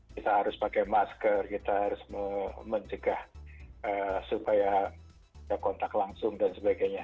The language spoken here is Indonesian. kita harus pakai masker kita harus mencegah supaya kontak langsung dan sebagainya